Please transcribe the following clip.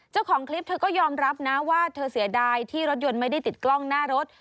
เจ้าของคลิปเธอก็ยอมรับนะว่าเธอเสียดายที่รถยนต์ไม่ได้ติดกล้องหน้ารถ